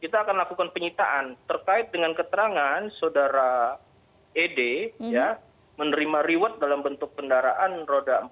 kita akan lakukan penyitaan terkait dengan keterangan saudara ed menerima reward dalam bentuk kendaraan roda empat